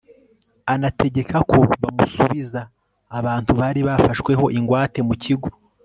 anategeka ko bamusubiza abantu bari bafashweho ingwate mu kigo